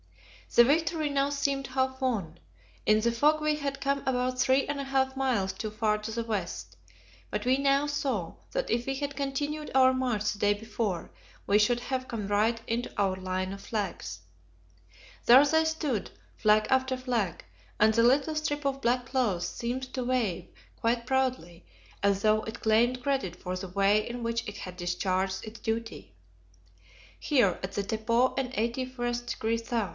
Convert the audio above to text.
The victory now seemed half won. In the fog we had come about three and a half miles too far to the west; but we now saw that if we had continued our march the day before, we should have come right into our line of flags. There they stood, flag after flag, and the little strip of black cloth seemed to wave quite proudly, as though it claimed credit for the way in which it had discharged its duty. Here, as at the depot in 81° S.